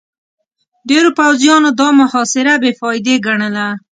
ډېرو پوځيانو دا محاصره بې فايدې ګڼله.